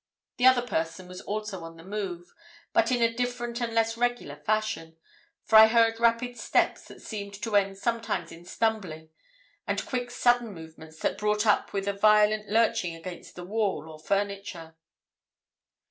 The other person was also on the move, but in a different and less regular fashion, for I heard rapid steps that seemed to end sometimes in stumbling, and quick sudden movements that brought up with a violent lurching against the wall or furniture.